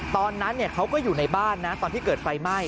ตอนนั้นเขาก็อยู่ในบ้านนะตอนที่เกิดไฟไหม้